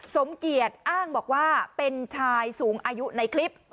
สมเกียจอ้างบอกว่าเป็นชายสูงอายุในคลิป